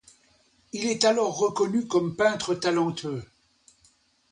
Il est alors reconnu comme peintre talentueux.